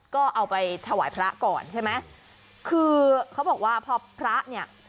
ก็เอาไปถวายพระก่อนใช่ไหมคือเขาบอกว่าพอพระเนี่ย